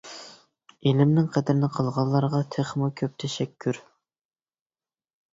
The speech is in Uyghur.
ئىلىمنىڭ قەدرىنى قىلغانلارغا تېخىمۇ كۆپ تەشەككۈر!